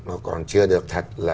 nó còn chưa được thay đổi ra